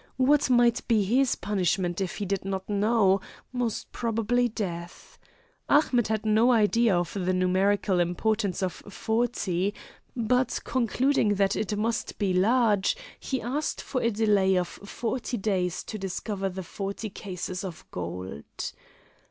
What might be his punishment he did not know most probably death. Ahmet had no idea of the numerical importance of forty; but concluding that it must be large he asked for a delay of forty days to discover the forty cases of gold.